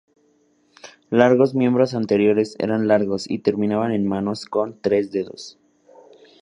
Largos miembros anteriores eran largos y terminaban en manos con tres dedos.